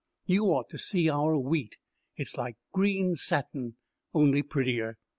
You ought to see our wheat it's like green satin, only prettier.